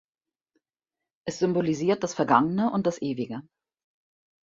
Es symbolisiert das Vergangene und das Ewige.